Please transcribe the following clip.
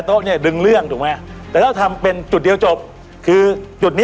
ยังไงทุกคนพูดว่ารถสวยรถสวยมันมันจะลดได้หรอคะ